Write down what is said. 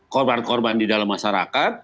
korban korban di dalam masyarakat